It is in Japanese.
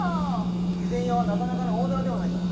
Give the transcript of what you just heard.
備前屋はなかなかの大店ではないか。